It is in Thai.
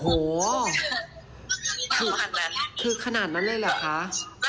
โหคือขนาดนั้นเลยเหรอคะ